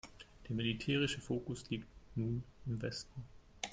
Der militärische Fokus liegt nun im Westen.